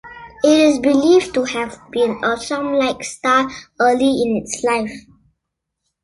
It is believed to have been a sun-like star early in its life.